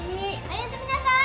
おやすみなさい。